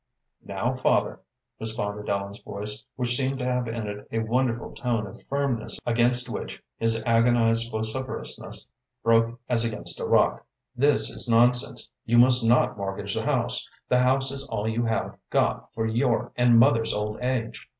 "Now, father," responded Ellen's voice, which seemed to have in it a wonderful tone of firmness against which his agonized vociferousness broke as against a rock, "this is nonsense. You must not mortgage the house. The house is all you have got for your and mother's old age.